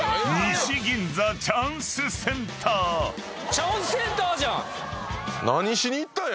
チャンスセンターじゃん！